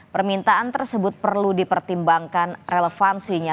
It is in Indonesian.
permintaan tersebut perlu dipertimbangkan relevansinya